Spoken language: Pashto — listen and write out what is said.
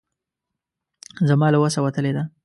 زما له وسه وتلې ده.